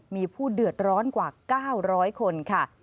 มีผู้เดือดร้อนกว่า๙๐๐คนค่ะ